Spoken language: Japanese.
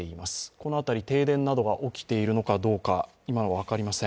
この辺り停電などが起きているのかどうか、今は分かりません。